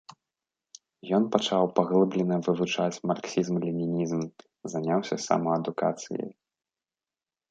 Ён пачаў паглыблена вывучаць марксізм-ленінізм, заняўся самаадукацыяй.